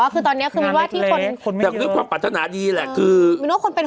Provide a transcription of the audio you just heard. ก็๗หลักเหมือนกัน